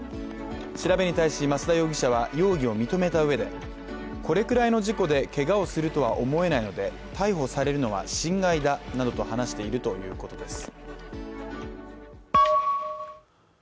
調べに対し増田容疑者は、容疑を認めたうえでこれくらいの事故でけがをするとは思えないので逮捕されるのは心外だなどと話しているということです。